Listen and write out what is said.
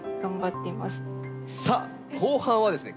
さあ後半はですね